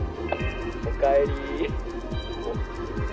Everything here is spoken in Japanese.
「おかえり」